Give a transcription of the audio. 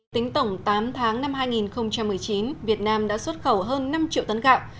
tính tổng tám tháng năm hai nghìn một mươi chín việt nam đã xuất khẩu hơn năm triệu tấn gạo